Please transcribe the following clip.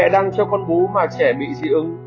cha mẹ đăng cho con bú mà trẻ bị dị ứng